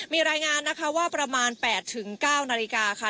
มีรายงานนะคะว่าประมาณ๘๙นาฬิกาค่ะ